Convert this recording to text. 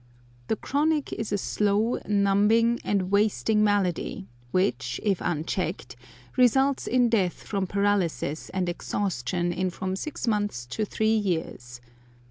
The chronic is a slow, numbing, and wasting malady, which, if unchecked, results in death from paralysis and exhaustion in from six months to three years.